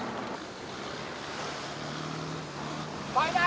สวัสดีครับคุณผู้ชาย